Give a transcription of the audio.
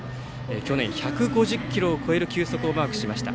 去年１５０キロを超える球速をマークしました。